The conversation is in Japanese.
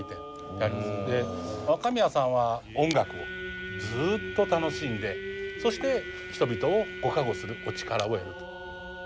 若宮さんは音楽をずっと楽しんでそして人々をご加護するお力を得る。